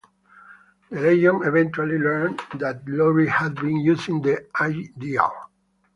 The Legion eventually learned that Lori had been using the H-dial.